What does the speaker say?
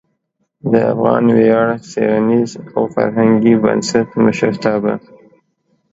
د افغان ویاړ څیړنیز او فرهنګي بنسټ مشرتابه